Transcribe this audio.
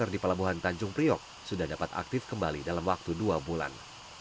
di pelabuhan tanjung priok sudah dapat aktif kembali dalam waktu dua bulan